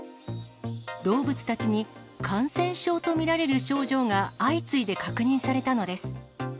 動物たちに感染症と見られる症状が相次いで確認されたのです。